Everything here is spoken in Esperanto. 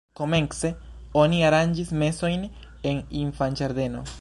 Komence oni aranĝis mesojn en infanĝardeno.